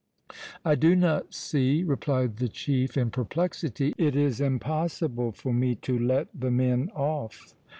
"I do not see," replied the chief, in perplexity. "It is impossible for me to let the men off."